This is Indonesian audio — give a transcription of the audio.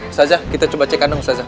ustazah kita coba cek kandang ustazah